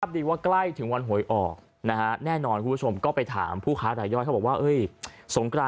นะครับดีว่าใกล้ถึงวันหวยออกนะฮะแน่นอนคุณผู้ชมก็ไปถามผู้ค้ารายอดเขาบอกว่า